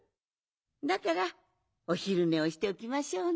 だからおひるねをしておきましょうね。